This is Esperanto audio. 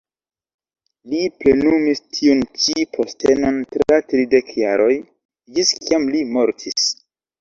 Li plenumis tiun ĉi postenon tra tridek jaroj, ĝis kiam li mortis.